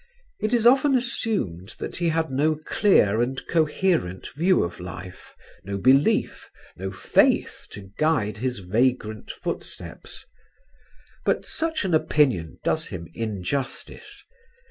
It is often assumed that he had no clear and coherent view of life, no belief, no faith to guide his vagrant footsteps; but such an opinion does him injustice.